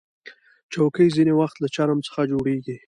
چوکۍ ځینې وخت له چرم څخه جوړیږي.